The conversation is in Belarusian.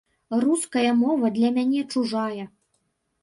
Руская мова для мяне чужая.